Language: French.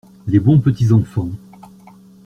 Les bons petits enfants.